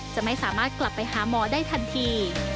จะไม่สามารถกลับไปหาหมอได้ทันที